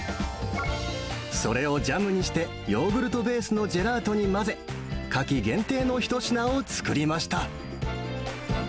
それをジャムにして、ヨーグルトベースのジェラートに混ぜ、夏季限定の一品を作りました。